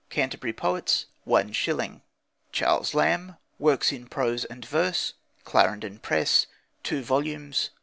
Canterbury Poets 0 1 0 Charles Lamb, Works in Prose and Verse: Clarendon Press (2 vols.)